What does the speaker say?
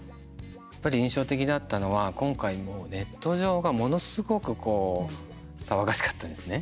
やっぱり印象的だったのは今回もうネット上がものすごく騒がしかったですね。